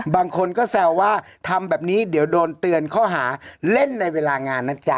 บางคนก็แซวว่าทำแบบนี้เดี๋ยวโดนเตือนข้อหาเล่นในเวลางานนะจ๊ะ